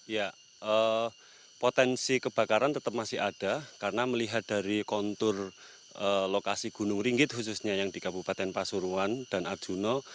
ya potensi kebakaran tetap masih ada karena melihat dari kontur lokasi gunung ringgit khususnya yang di kabupaten pasuruan dan arjuna